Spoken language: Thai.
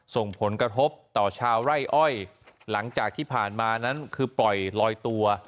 ส่งผลกระทบต่อชาวไร่อ้อยหลังจากที่ผ่านมานั้นคือปล่อยลอยตัว